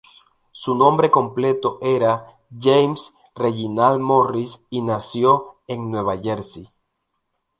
Su nombre completo era James Reginald Morris, y nació en Nueva Jersey.